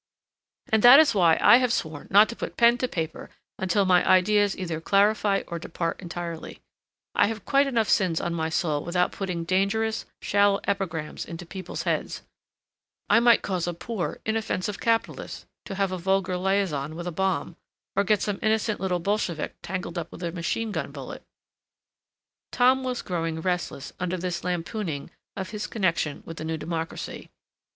"And that is why I have sworn not to put pen to paper until my ideas either clarify or depart entirely; I have quite enough sins on my soul without putting dangerous, shallow epigrams into people's heads; I might cause a poor, inoffensive capitalist to have a vulgar liaison with a bomb, or get some innocent little Bolshevik tangled up with a machine gun bullet—" Tom was growing restless under this lampooning of his connection with The New Democracy.